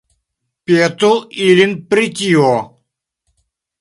Petu ilin pri tio.